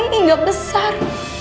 kamu dari bayi gak besar